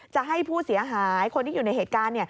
จะให้ผู้เสียหายคนที่อยู่ในเหตุการณ์